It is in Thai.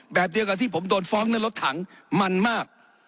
แบบเดียวกับที่ผมโดนฟ้องในรถถังมันมาก